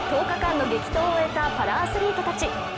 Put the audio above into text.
１０日間の激闘を終えたパラアスリートたち。